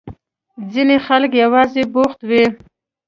ځينې خلک يوازې بوخت وي.